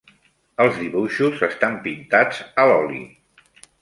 Els dibuixos estan pintats a l'oli.